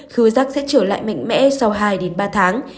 khứ giác sẽ trở lại mạnh mẽ sau hai ba tháng